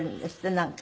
なんか。